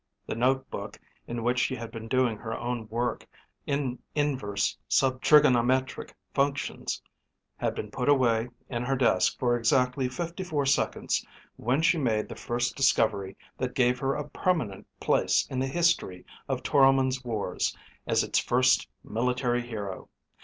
The notebook in which she had been doing her own work in inverse sub trigonometric functions had been put away in her desk for exactly fifty four seconds when she made the first discovery that gave her a permanent place in the history of Toromon's wars as its first military hero.